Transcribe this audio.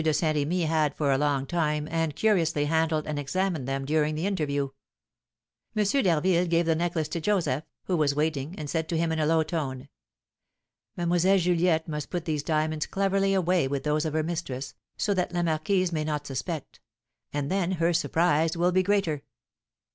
de Saint Remy had for a long time and curiously handled and examined them during the interview. M. d'Harville gave the necklace to Joseph, who was waiting, and said to him, in a low tone: "Mlle. Juliette must put these diamonds cleverly away with those of her mistress, so that la marquise may not suspect; and then her surprise will be the greater."